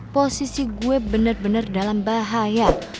posisi gue bener bener dalam bahaya